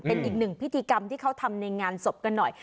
เป็นอีกหนึ่งพิธีกรรมที่เขาทำในงานศพกันหน่อย